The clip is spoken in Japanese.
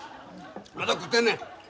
まだ食ってんねん。